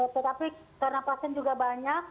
tetapi karena pasien juga banyak